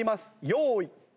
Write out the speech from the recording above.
用意。